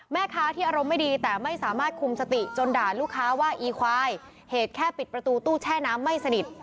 แม่ค้าที่อารมณ์ไม่ดีแต่ไม่สามารถคุมสติจนด่าลูกค้าว่าอีควายเหตุแค่ปิดประตูตู้แช่น้ำไม่สนิท